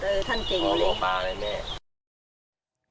เออท่านจริงเลย